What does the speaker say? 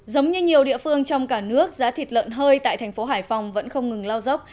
giống như nhiều địa phương trong cả nước giá thịt lợn hơi tại thành phố hải phòng vẫn không ngừng lao dốc